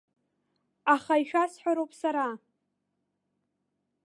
Аха ишәасҳәароуп сара.